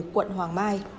quận hoàng mai